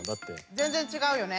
全然違うよね？